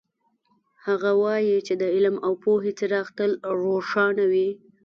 هغه وایي چې د علم او پوهې څراغ تل روښانه وي